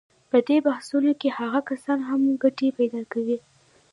په دې بحثونو کې هغه کسان هم ګټې پیدا کوي.